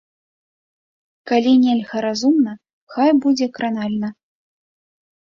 Калі нельга разумна, хай будзе кранальна.